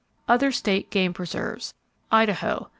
Other State Game Preserves Idaho.